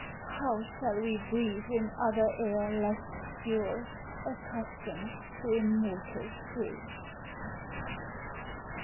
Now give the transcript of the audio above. how shall we breathe in other air Less pure, accustomed to immortal fruits?